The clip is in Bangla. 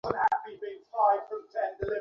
সেটাই, ফার্লে যা বলে তাই হয়!